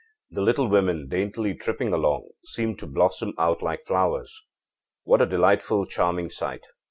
The little women, daintily tripping along, seem to blossom out like flowers. What a delightful, charming sight!